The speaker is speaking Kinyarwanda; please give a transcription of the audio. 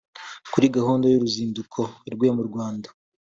Kuri gahunda y’uruzinduko rwe mu Rwanda